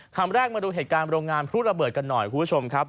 คำแรกมาดูเหตุการณ์โรงงานพลุระเบิดกันหน่อยคุณผู้ชมครับ